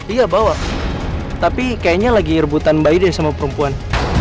iya bawa tapi kayaknya lagi rebutan bayi deh sama perempuan